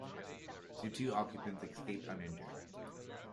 The two occupants escaped uninjured.